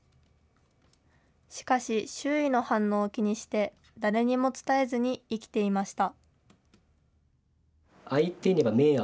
しかし、周囲の反応を気にして、誰にも伝えずに生きていました。